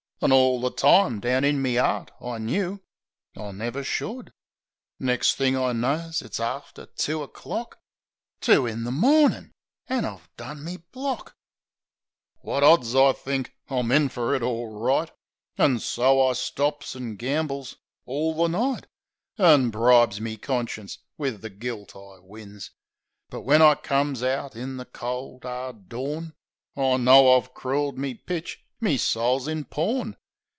An' orl the time down in me 'eart I knew I never should ... Nex' thing I knows it's after two o'clock — Two in the mornin' ! An' I've done me block ! "Wot odds?" I thinks. "I'm in fer it orright." An' so I stops an' gambles orl the night; An' bribes me conscience wiv the gilt I wins But when I comes out in the cold, 'ard dawn I know I've crooled me pitch ; me soul's in pawn.